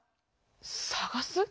さがす？